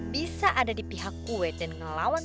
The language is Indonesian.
bisa ada di pihak kue dan ngelawan